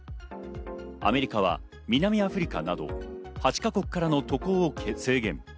アメリカは南アフリカなど８か国からの渡航を制限。